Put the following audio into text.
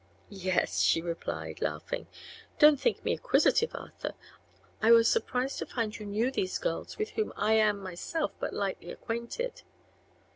"Yes," she replied, laughing. "Don't think me inquisitive, Arthur; I was surprised to find you knew these girls, with whom I am myself but lightly acquainted."